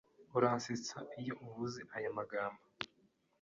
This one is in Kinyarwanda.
Uransetsa iyo uvuze ayo magambo?